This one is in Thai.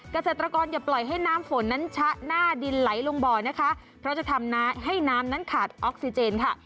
เกษตรกรอย่าปล่อยให้น้ำฝนนั้นชะหน้าดินไหลลงบ่อนะคะเพราะจะทำให้น้ำนั้นขาดออกซิเจนค่ะ